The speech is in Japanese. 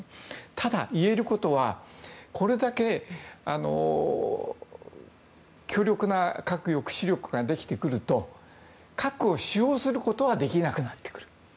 ただ、いえることはこれだけ強力な核抑止力ができてくると核を使用することはできなくなってくる。